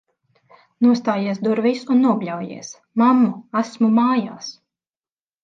Nostājies durvīs un nobļaujies: "Mammu, esmu mājās!"